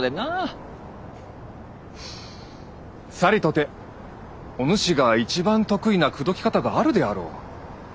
さりとておぬしが一番得意な口説き方があるであろう。